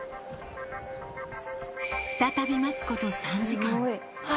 再び待つこと３時間。